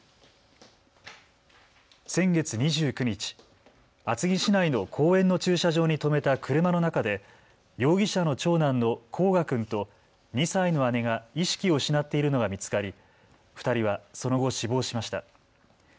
先月２９日、厚木市内の公園の駐車場に止めた車の中で容疑者の長男の煌翔君と２歳の姉が意識を失っているのが見つかり２人はその後、死亡しました。